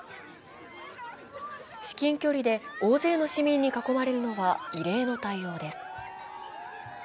至近距離で大勢の市民に囲まれるのは異例の対応です。